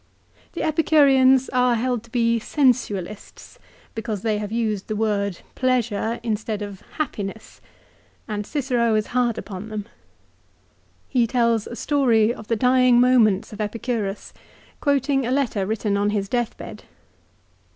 The Epicureans are held to be sensualists, because they have used the word " pleasure " instead of "happiness," and Cicero is hard upon them. He tells a story of the dying moments 1 De Finibus, lib. i. ca. v. 348 LIFE OF CICERO. of Epicurus, quoting a letter written on his death bed.